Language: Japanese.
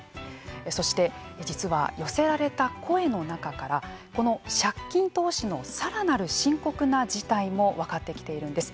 そして実は寄せられた声の中からこの借金投資のさらなる深刻な事態も分かってきているんです。